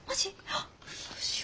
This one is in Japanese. あっどうしよ。